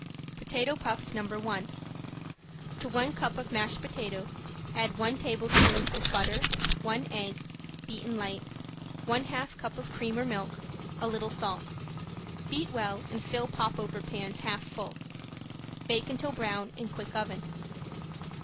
~POTATO PUFFS~ ~No. 1~ To one cup of mashed potato add one tablespoon of butter, one egg, beaten light, one half cup of cream or milk, a little salt. Beat well and fill popover pans half full. Bake until brown in quick oven.